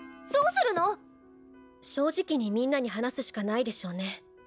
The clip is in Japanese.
どうするの⁉正直にみんなに話すしかないでしょうね。